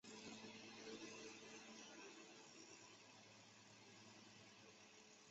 保护局曾试图让其与其它品种创造一个杂交后代。